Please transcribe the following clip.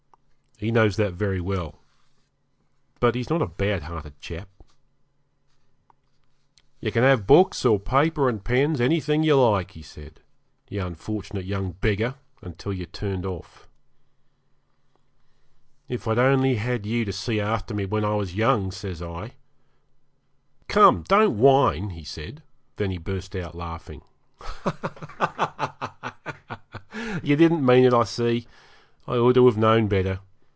He knows that very well. But he's not a bad hearted chap. 'You can have books, or paper and pens, anything you like,' he said, 'you unfortunate young beggar, until you're turned off.' 'If I'd only had you to see after me when I was young,' says I 'Come; don't whine,' he said, then he burst out laughing. 'You didn't mean it, I see. I ought to have known better.